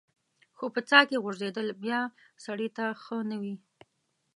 خو په څاه کې غورځېدل بیا سړی ته ښه نه وي.